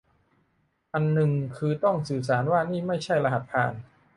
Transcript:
อันนึงคือต้องสื่อสารว่านี่ไม่ใช่รหัสผ่าน